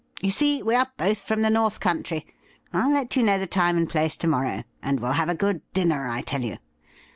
You see, we are both from the North Country. I'll let you know the time and place to morrow, and we'll have a good dinner, I tell you.